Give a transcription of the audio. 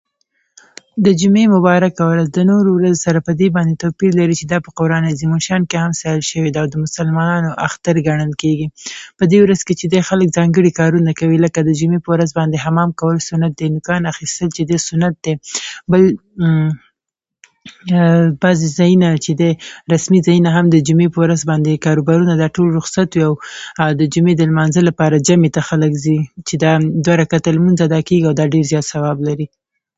د جمعې مبارکه ورځ د نورو ورځو سره په دې باندې توپیر لري، چې دا په قرآن عظیم الشان کې هم ستایل شوي ده د مسلمانانو اختر ګڼل کېږي، په دې ورځو کې چې دی خلګ ځانګړي کارونه کوي لکه د جمعې په ورځ حمام کول سنت دی، د نوکانو اخېستل چې دی سنت دی، بل چې بعضې رسمي ځايونه هم او کاروبارونه دا ټول رخصت وي د جمعې د لمانځه لپاره خلګ جومات ته ځي چې دا دوه ركعته لمونځ ادأ کېږي چې دا ډېر زیات ثواب لري.